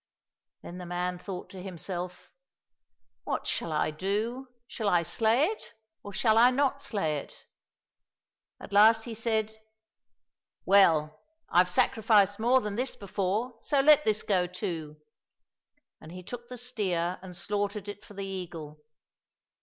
" Then the man thought to himself, " What shall I do ? Shall I slay it, or shall I not slay it ?" At last he said, " Well ! I've sacrificed more than this before, so let this go too !" and he took the steer and slaughtered it for the eagle.